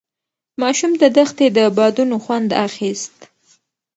ماشوم د دښتې د بادونو خوند اخیست.